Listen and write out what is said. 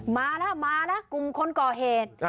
มาแล้วมาแล้วกลุ่มคนก่อเหตุ